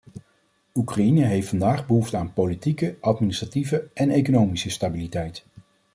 Oekraïne heeft vandaag behoefte aan politieke, administratieve en economische stabiliteit.